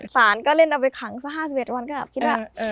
สารก็เล่นเอาไปขังสัก๕๑วันก็คิดว่า